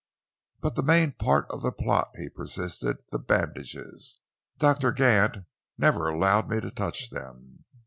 "But the main part of the plot?" he persisted, "the bandages?" "Doctor Gant never allowed me to touch them.